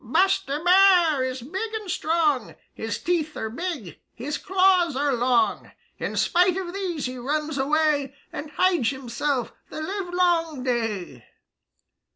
"Buster Bear is big and strong; His teeth are big; his claws are long; In spite of these he runs away And hides himself the livelong day!"